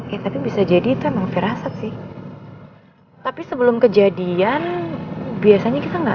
ya tapi bisa jadi itu emang firasat sih tapi sebelum kejadian biasanya kita nggak